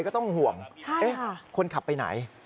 คนขับไปไหน